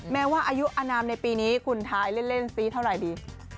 แม้ว่าอายุอนามในปีนี้คุณท้ายเล่นซีเท่าไหร่ดี